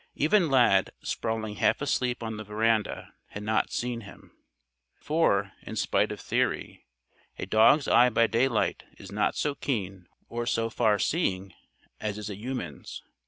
Even Lad, sprawling half asleep on the veranda, had not seen him. For, in spite of theory, a dog's eye by daylight is not so keen or so far seeing as is a human's.